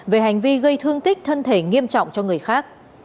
về hành vi gây thương tích thân thể nghiêm trọng cho người khác